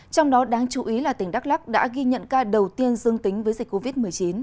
trong đó đáng chú ý là tỉnh đắk lắc đã ghi nhận ca đầu tiên dương tính với dịch covid một mươi chín